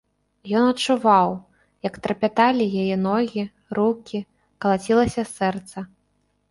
Ён адчуваў, як трапяталі яе ногі, рукі, калацілася сэрца.